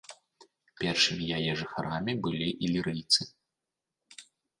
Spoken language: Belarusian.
Першымі яе жыхарамі былі ілірыйцы.